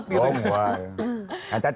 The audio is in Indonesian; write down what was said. siapa takut gitu